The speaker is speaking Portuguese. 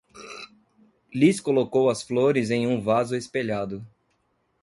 Liz colocou as flores em um vaso espelhado.